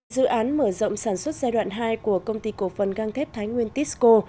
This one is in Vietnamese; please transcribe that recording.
dự án mở rộng sản xuất giai đoạn hai của công ty cổ phần gang thép thái nguyên tisco